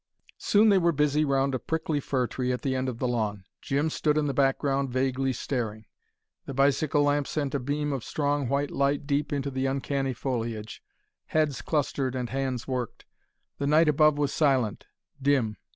Soon they were busy round a prickly fir tree at the end of the lawn. Jim stood in the background vaguely staring. The bicycle lamp sent a beam of strong white light deep into the uncanny foliage, heads clustered and hands worked. The night above was silent, dim.